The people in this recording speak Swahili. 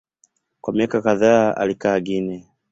Kwa miaka kadhaa alikaa Guinea.